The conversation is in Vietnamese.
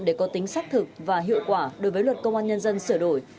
để có tính xác thực và hiệu quả đối với luật công an nhân dân sửa đổi